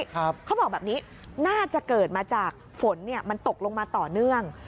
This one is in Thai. เขาบอกแบบนี้น่าจะเกิดมาจากฝนเนี่ยมันตกลงมาต่อเนื่อง